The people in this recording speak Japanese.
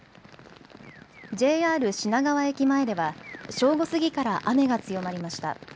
ＪＲ品川駅前では、正午過ぎから雨が強まりました。